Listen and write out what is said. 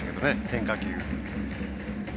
変化球。